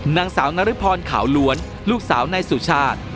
นางสาวนริพรขาวล้วนลูกสาวนายสุชาติ